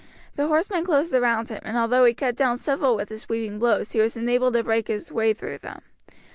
The horsemen closed around him, and although he cut down several with his sweeping blows he was unable to break his way through them.